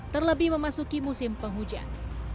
terlebih memasuki musim penghujan